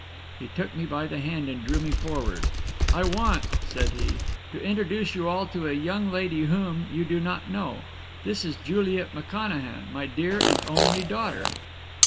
He took me by the hand and drew me forward. 'I want,' said he, 'to introduce you all to a young lady whom you do not know. This is Juliet McConachan, my dear and only daughter.'